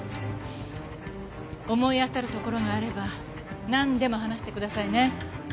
思い当たるところがあればなんでも話してくださいね。